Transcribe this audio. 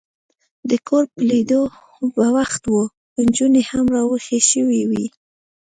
د کور په لیدو بوخت و، نجونې هم را وېښې شوې وې.